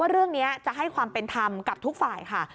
เรื่องนี้จะให้ความเป็นธรรมกับทุกฝ่ายค่ะ